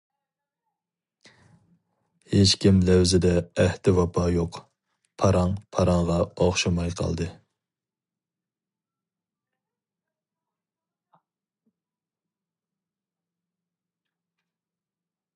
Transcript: ھېچكىم لەۋزىدە ئەھدى ۋاپا يوق، پاراڭ پاراڭغا ئوخشىماي قالدى.